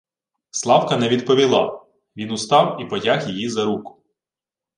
Славка не відповіла. Він устав і потяг її за руку: